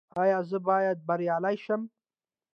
ایا زه باید بریالی شم؟